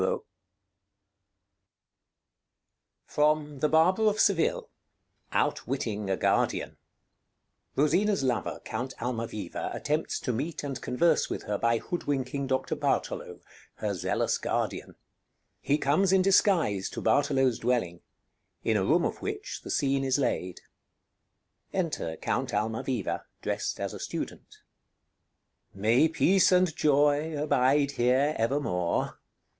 [Illustration: Signature: Brander Matthews] FROM 'THE BARBER OF SEVILLE' OUTWITTING A GUARDIAN [Rosina's lover, Count Almaviva, attempts to meet and converse with her by hoodwinking Dr. Bartolo, her zealous guardian. He comes in disguise to Bartolo's dwelling, in a room of which the scene is laid.] [Enter Count Almaviva, dressed as a student.] Count [solemnly] May peace and joy abide here evermore!